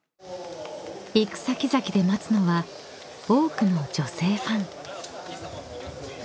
［行く先々で待つのは多くの女性ファン］